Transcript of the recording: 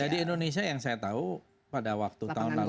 jadi indonesia yang saya tahu pada waktu tahun lalu itu